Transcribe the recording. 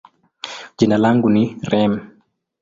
jina langu ni Reem.